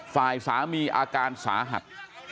ฝ่ายสามีอาการสาหัส